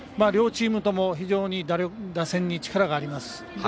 両チームとも非常に打線に力があります。